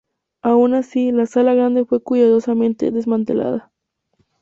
Aun así, la Sala Grande fue cuidadosamente desmantelada.